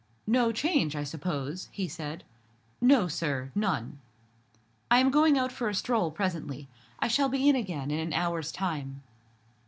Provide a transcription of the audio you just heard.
"No change, I suppose?" he said. "No, sir; none." "I am going out for a stroll, presently. I shall be in again in an hour's time."